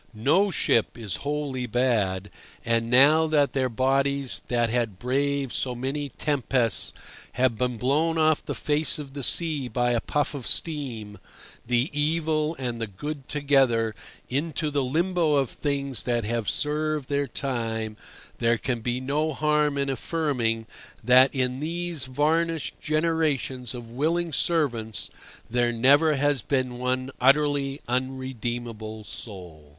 No ship is wholly bad; and now that their bodies that had braved so many tempests have been blown off the face of the sea by a puff of steam, the evil and the good together into the limbo of things that have served their time, there can be no harm in affirming that in these vanished generations of willing servants there never has been one utterly unredeemable soul.